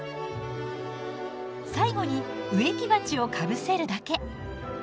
最後に植木鉢をかぶせるだけ。